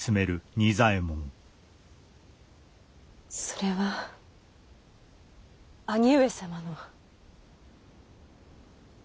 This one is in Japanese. それは兄上様の。